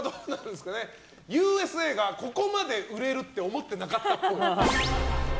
「Ｕ．Ｓ．Ａ．」がここまで売れるって思ってなかったっぽい。